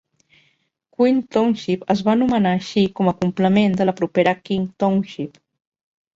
Queen Township es va anomenar així com a complement de la propera King Township.